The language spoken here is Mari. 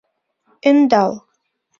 Ӧндал.